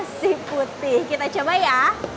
nasi putih kita coba ya